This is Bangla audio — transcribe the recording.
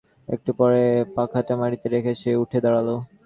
একটু পরে পাখাটা মাটিতে রেখে সে উঠে দাঁড়াল।